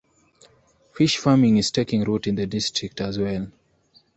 Fish farming is taking root in the district as well.